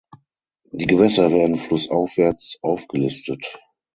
Die Gewässer werden flussaufwärts aufgelistet.